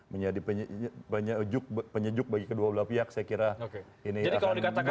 menjadi penyejuk bagi kedua pihak saya kira ini akan baik ke depan